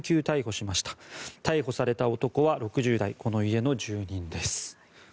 逮捕された男は６０代この家の住人です。